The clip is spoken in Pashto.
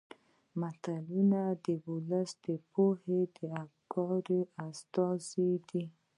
متلونه د ولسي پوهانو د افکارو استازي دي